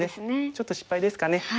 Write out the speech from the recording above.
ちょっと失敗ですかね。